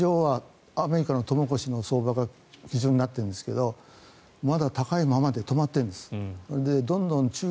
現状はアメリカのトウモロコシの相場が基準になってるんですがまだ高いままで止まってるんです。